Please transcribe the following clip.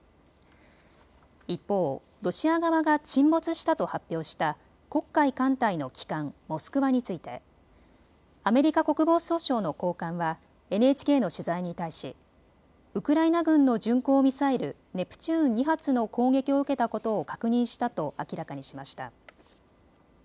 一方、ロシア側が沈没したと発表した黒海艦隊の旗艦、モスクワについてアメリカ国防総省の高官はＮＨＫの取材に対し、ウクライナ軍の巡航ミサイル、ネプチューン２発の攻撃を受けたことを確認したと明らかにしました。